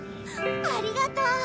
ありがとう。